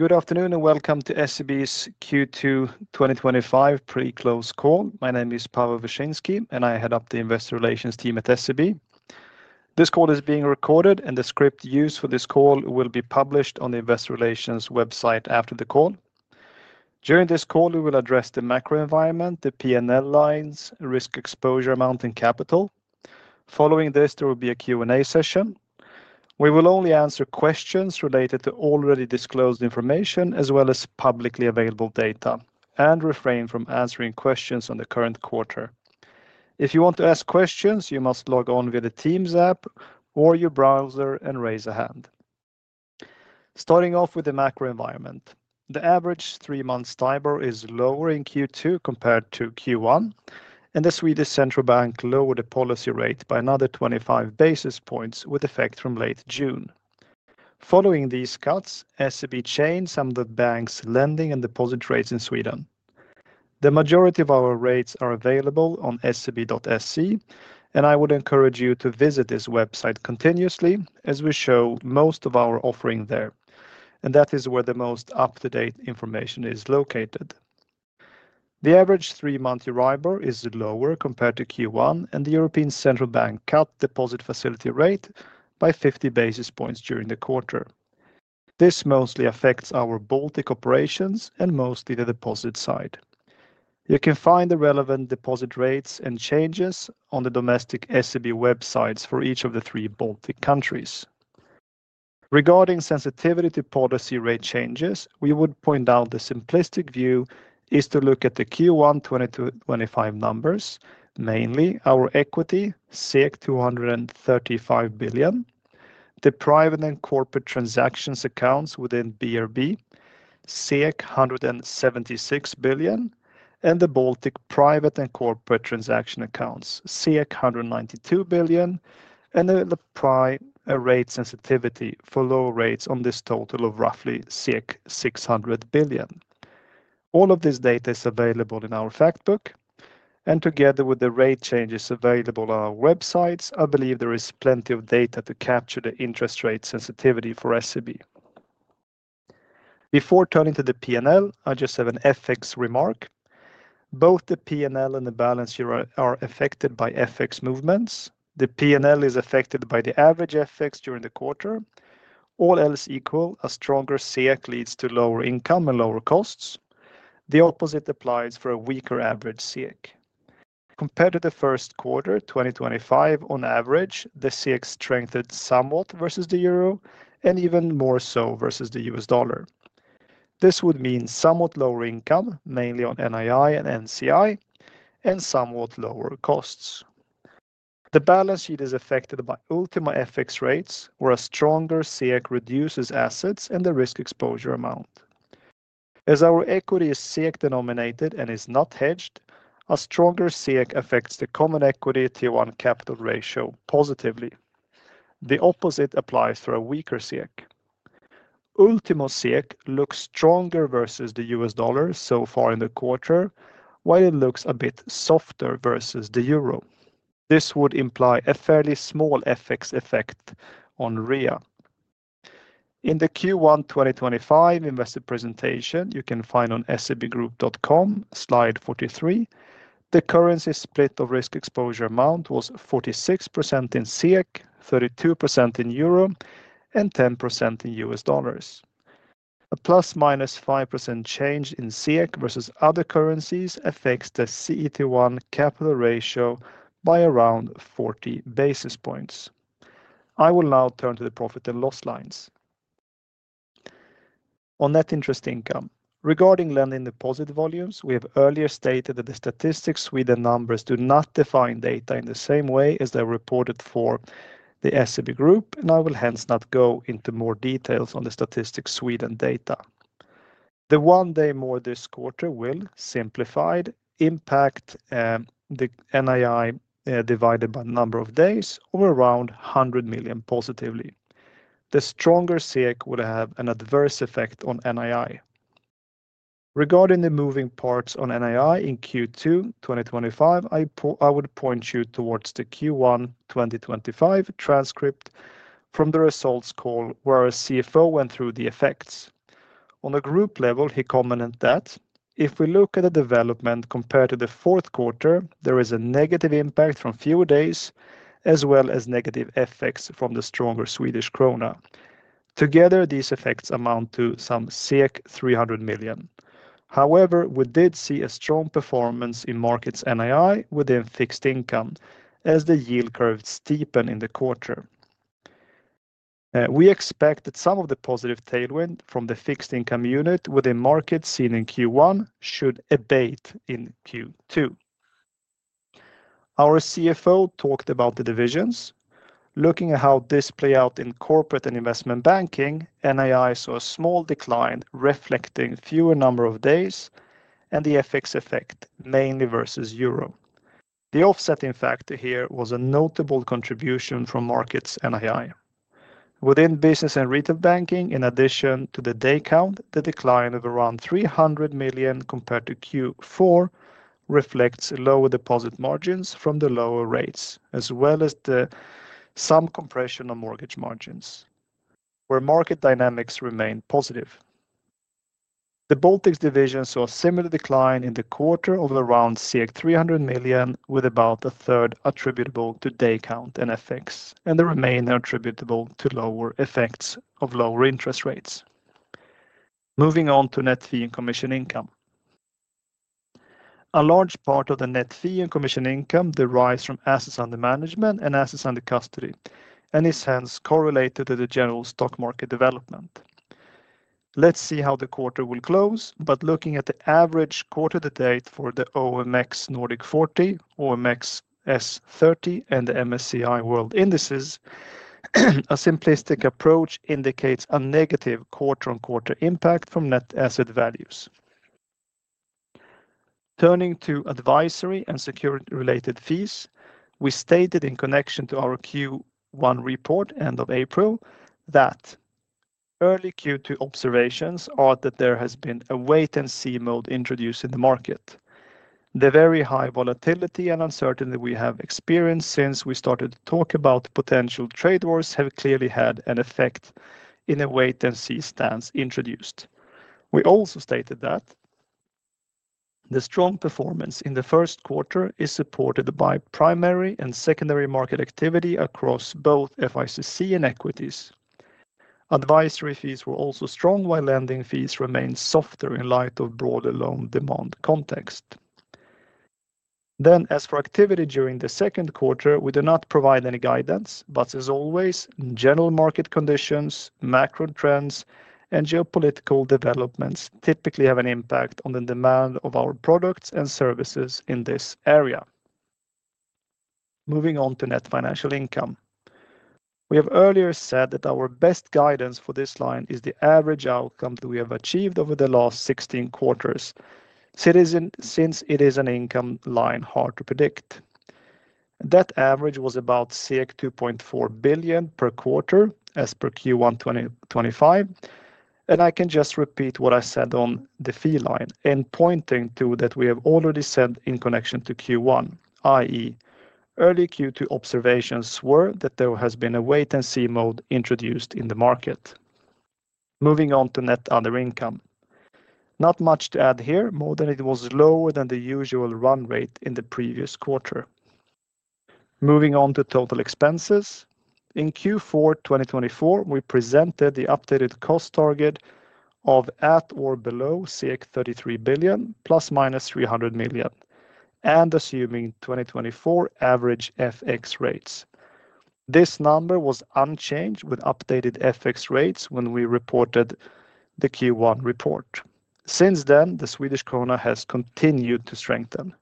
Good afternoon and welcome to SEB's Q2 2025 Pre-Close Call. My name is Paweł Wyszyński and I head up the Investor Relations team at SEB. This call is being recorded and the script used for this call will be published on the Investor Relations website after the call. During this call, we will address the macro environment, the P&L lines, risk exposure amount, and capital. Following this, there will be a Q&A session. We will only answer questions related to already disclosed information as well as publicly available data and refrain from answering questions on the current quarter. If you want to ask questions, you must log on via the Teams app or your browser and raise a hand. Starting off with the macro environment, the average three-months timer is lower in Q2 compared to Q1, and the Swedish central bank lowered the policy rate by another 25 basis points with effect from late June. Following these cuts, SEB changed some of the bank's lending and deposit rates in Sweden. The majority of our rates are available on SEB.se, and I would encourage you to visit this website continuously as we show most of our offering there, and that is where the most up-to-date information is located. The average three-month arrival is lower compared to Q1, and the European Central Bank cut deposit facility rate by 50 basis points during the quarter. This mostly affects our Baltic operations and mostly the deposit side. You can find the relevant deposit rates and changes on the domestic SEB websites for each of the three Baltic countries. Regarding sensitivity to policy rate changes, we would point out the simplistic view is to look at the Q1 2025 numbers, mainly our equity, 235 billion, the private and corporate transactions accounts within BRB, 176 billion, and the Baltic private and corporate transaction accounts, 192 billion, and the rate sensitivity for low rates on this total of roughly 600 billion. All of this data is available in our fact book, and together with the rate changes available on our websites, I believe there is plenty of data to capture the interest rate sensitivity for SEB. Before turning to the P&L, I just have an FX remark. Both the P&L and the balance sheet are affected by FX movements. The P&L is affected by the average FX during the quarter. All else equal, a stronger SEK leads to lower income and lower costs. The opposite applies for a weaker average SEK. Compared to the first quarter, 2025, on average, the SEK strengthened somewhat versus the EUR and even more so versus the $USD. This would mean somewhat lower income, mainly on NII and NCI, and somewhat lower costs. The balance sheet is affected by ultimate FX rates, where a stronger SEK reduces assets and the risk exposure amount. As our equity is SEK denominated and is not hedged, a stronger SEK affects the common equity to one capital ratio positively. The opposite applies for a weaker SEK. Ultimo SEK looks stronger versus the USD so far in the quarter, while it looks a bit softer versus the EUR. This would imply a fairly small FX effect on REA. In the Q1 2025 investment presentation you can find on sebgroup.com, Slide 43, the currency split of risk exposure amount was 46% in SEK, 32% in EUR, and 10% in USD. A plus minus 5% change in SEK versus other currencies affects the CET1 capital ratio by around 40 basis points. I will now turn to the profit and loss lines. On net interest income, regarding lending deposit volumes, we have earlier stated that the Statistics Sweden numbers do not define data in the same way as they are reported for the SEB Group, and I will hence not go into more details on the Statistics Sweden data. The one day more this quarter will, simplified, impact the NII divided by the number of days of around 100 million positively. The stronger SEK would have an adverse effect on NII. Regarding the moving parts on NII in Q2 2025, I would point you towards the Q1 2025 transcript from the results call where our CFO went through the effects. On a group level, he commented that if we look at the development compared to the fourth quarter, there is a negative impact from fewer days as well as negative effects from the stronger Swedish krona. Together, these effects amount to 300 million. However, we did see a strong performance in markets NII within fixed income as the yield curve steepened in the quarter. We expect that some of the positive tailwind from the fixed income unit within markets seen in Q1 should abate in Q2. Our CFO talked about the divisions. Looking at how this plays out in corporate and investment banking, NII saw a small decline reflecting fewer number of days and the FX effect mainly versus EUR. The offset, in fact, here was a notable contribution from markets NII. Within business and retail banking, in addition to the day count, the decline of around 300 million compared to Q4 reflects lower deposit margins from the lower rates as well as some compression on mortgage margins where market dynamics remain positive. The Baltics division saw a similar decline in the quarter of around 300 million with about a third attributable to day count and FX and the remaining attributable to lower effects of lower interest rates. Moving on to net fee and commission income. A large part of the net fee and commission income derives from assets under management and assets under custody and is hence correlated to the general stock market development. Let's see how the quarter will close, but looking at the average quarter to date for the OMX Nordic 40, OMX S30, and the MSCI World indices, a simplistic approach indicates a negative quarter-on-quarter impact from net asset values. Turning to advisory and security-related fees, we stated in connection to our Q1 report end of April that early Q2 observations are that there has been a wait-and-see mode introduced in the market. The very high volatility and uncertainty we have experienced since we started to talk about potential trade wars have clearly had an effect in a wait-and-see stance introduced. We also stated that the strong performance in the first quarter is supported by primary and secondary market activity across both FICC and equities. Advisory fees were also strong while lending fees remained softer in light of broader loan demand context. As for activity during the second quarter, we do not provide any guidance, but as always, general market conditions, macro trends, and geopolitical developments typically have an impact on the demand of our products and services in this area. Moving on to net financial income. We have earlier said that our best guidance for this line is the average outcome that we have achieved over the last 16 quarters, since it is an income line hard to predict. That average was about 2.4 billion per quarter as per Q1 2025, and I can just repeat what I said on the fee line and pointing to that we have already said in connection to Q1, i.e., early Q2 observations were that there has been a wait-and-see mode introduced in the market. Moving on to net other income. Not much to add here, more than it was lower than the usual run rate in the previous quarter. Moving on to total expenses. In Q4 2024, we presented the updated cost target of at or below 33 billion, plus minus 300 million, and assuming 2024 average FX rates. This number was unchanged with updated FX rates when we reported the Q1 report. Since then, the Swedish krona has continued to strengthen.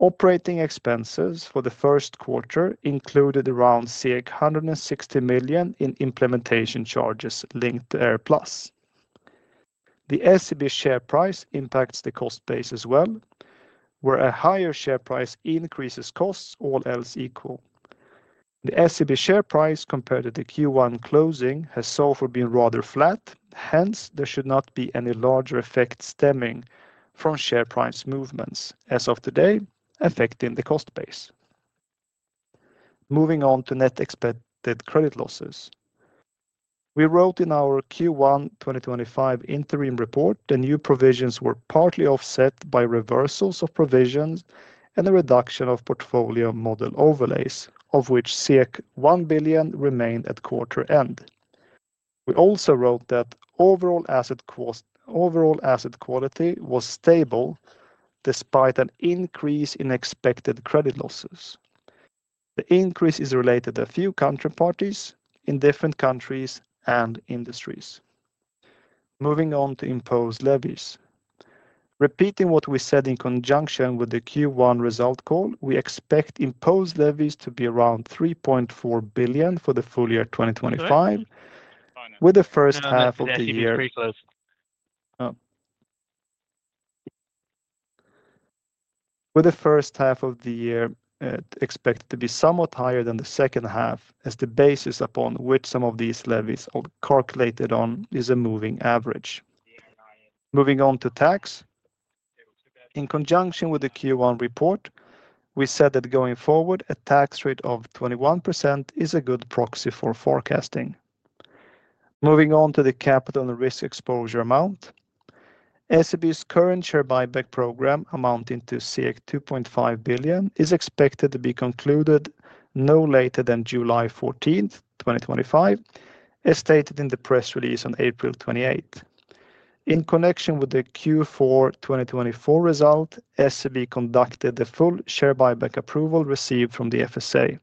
Operating expenses for the first quarter included around 160 million in implementation charges linked to Air Plus. The SEB share price impacts the cost base as well, where a higher share price increases costs all else equal. The SEB share price compared to the Q1 closing has so far been rather flat, hence there should not be any larger effect stemming from share price movements as of today affecting the cost base. Moving on to net expected credit losses. We wrote in our Q1 2025 interim report that new provisions were partly offset by reversals of provisions and the reduction of portfolio model overlays, of which 1 billion remained at quarter end. We also wrote that overall asset quality was stable despite an increase in expected credit losses. The increase is related to a few counterparties in different countries and industries. Moving on to imposed levies. Repeating what we said in conjunction with the Q1 result call, we expect imposed levies to be around 3.4 billion for the full year 2025, with the first half of the year expected to be somewhat higher than the second half, as the basis upon which some of these levies are calculated on is a moving average. Moving on to tax. In conjunction with the Q1 report, we said that going forward, a tax rate of 21% is a good proxy for forecasting. Moving on to the capital and risk exposure amount. SEB's current share buyback program amounting to 2.5 billion is expected to be concluded no later than July 14, 2025, as stated in the press release on April 28. In connection with the Q4 2024 result, SEB conducted the full share buyback approval received from the FSA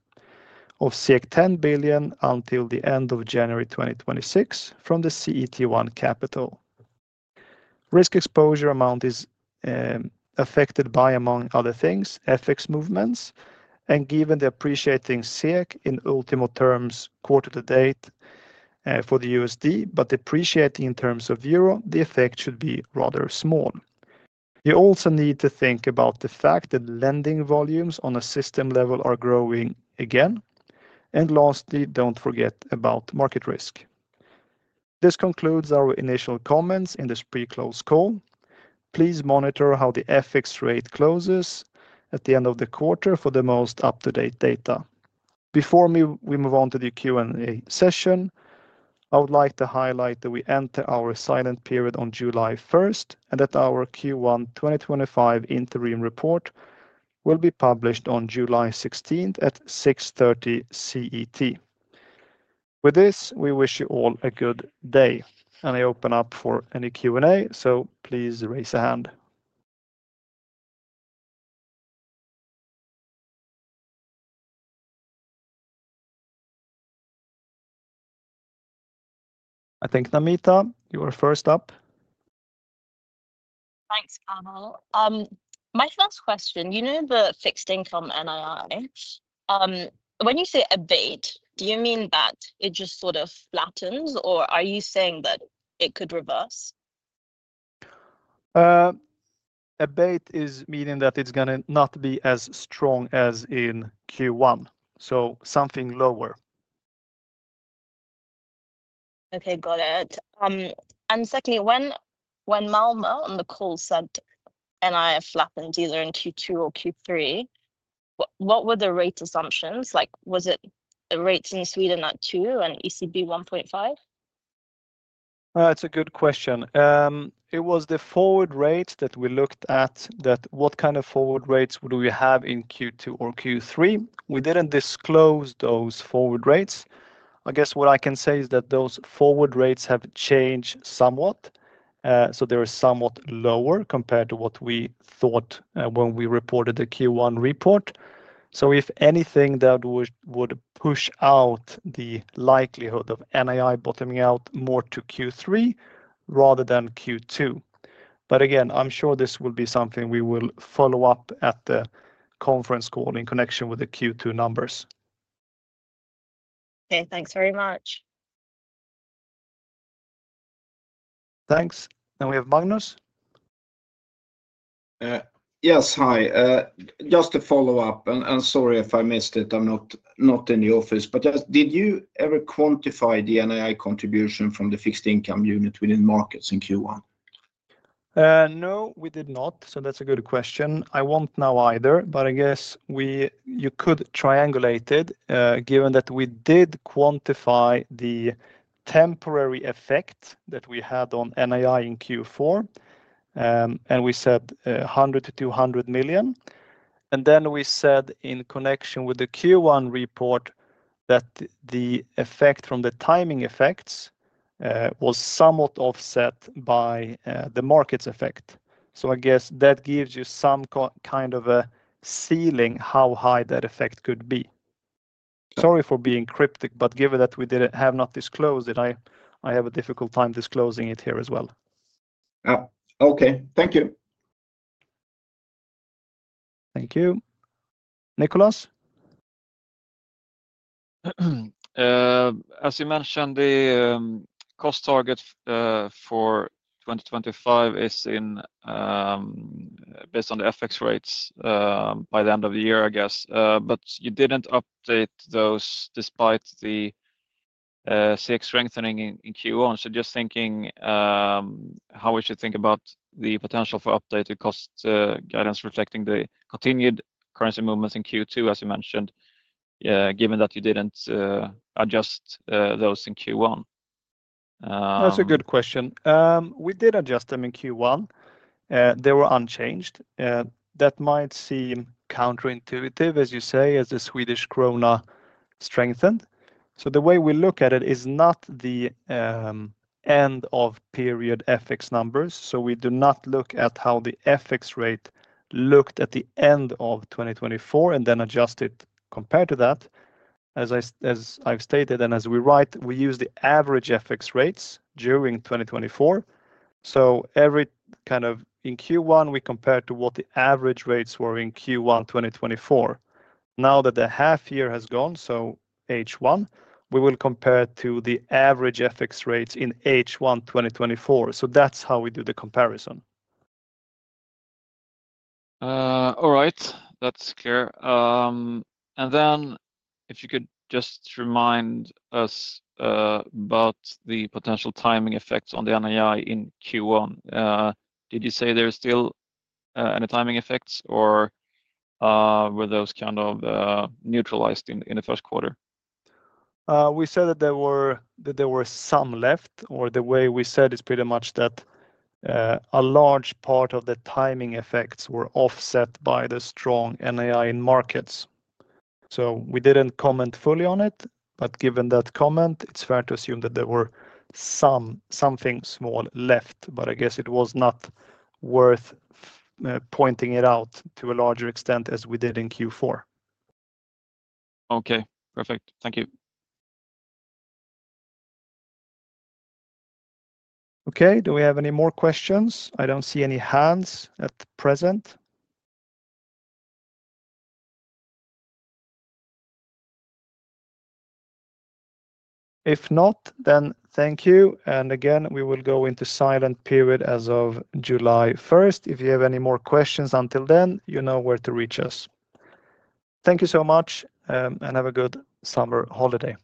of 10 billion until the end of January 2026 from the CET1 capital. Risk exposure amount is affected by, among other things, FX movements, and given the appreciating SEK in ultimate terms quarter to date for the $USD, but depreciating in terms of EUR, the effect should be rather small. You also need to think about the fact that lending volumes on a system level are growing again, and lastly, do not forget about market risk. This concludes our initial comments in this pre-close call. Please monitor how the FX rate closes at the end of the quarter for the most up-to-date data. Before we move on to the Q&A session, I would like to highlight that we enter our silent period on July 1 and that our Q1 2025 interim report will be published on July 16 at 6:30 A.M. CET. With this, we wish you all a good day, and I open up for any Q&A, so please raise a hand. I think Namita, you are first up. Thanks, Carl. My first question, you know the fixed income NII. When you say abate, do you mean that it just sort of flattens, or are you saying that it could reverse? Abate is meaning that it's going to not be as strong as in Q1, so something lower. Okay, got it. And secondly, when Malmer on the call said NII flattened either in Q2 or Q3, what were the rate assumptions? Like, was it the rates in Sweden at 2 and ECB 1.5? That's a good question. It was the forward rate that we looked at, that what kind of forward rates do we have in Q2 or Q3? We did not disclose those forward rates. I guess what I can say is that those forward rates have changed somewhat, so they are somewhat lower compared to what we thought when we reported the Q1 report. If anything, that would push out the likelihood of NII bottoming out more to Q3 rather than Q2. Again, I am sure this will be something we will follow up at the conference call in connection with the Q2 numbers. Okay, thanks very much. Thanks. We have Magnus. Yes, hi. Just to follow up, and sorry if I missed it, I am not in the office, but did you ever quantify the NII contribution from the fixed income unit within markets in Q1? No, we did not, so that's a good question. I won't now either, but I guess you could triangulate it given that we did quantify the temporary effect that we had on NII in Q4, and we said 100 million-200 million. And then we said in connection with the Q1 report that the effect from the timing effects was somewhat offset by the markets effect. I guess that gives you some kind of a ceiling how high that effect could be. Sorry for being cryptic, but given that we have not disclosed it, I have a difficult time disclosing it here as well. Okay, thank you. Thank you. Nicholas? As you mentioned, the cost target for 2025 is based on the FX rates by the end of the year, I guess, but you did not update those despite the SEK strengthening in Q1. Just thinking, how would you think about the potential for updated cost guidance reflecting the continued currency movements in Q2, as you mentioned, given that you did not adjust those in Q1? That is a good question. We did adjust them in Q1. They were unchanged. That might seem counterintuitive, as you say, as the Swedish krona strengthened. The way we look at it is not the end-of-period FX numbers. We do not look at how the FX rate looked at the end of 2024 and then adjust it compared to that. As I have stated, and as we write, we use the average FX rates during 2024. Every kind of in Q1, we compare to what the average rates were in Q1 2024. Now that the half year has gone, so H1, we will compare to the average FX rates in H1 2024. That's how we do the comparison. All right, that's clear. If you could just remind us about the potential timing effects on the NII in Q1. Did you say there are still any timing effects, or were those kind of neutralized in the first quarter? We said that there were some left, or the way we said is pretty much that a large part of the timing effects were offset by the strong NII in markets. We didn't comment fully on it, but given that comment, it's fair to assume that there were something small left, but I guess it was not worth pointing it out to a larger extent as we did in Q4. Okay, perfect. Thank you. Okay, do we have any more questions? I don't see any hands at present. If not, then thank you. We will go into silent period as of July 1. If you have any more questions until then, you know where to reach us. Thank you so much, and have a good summer holiday.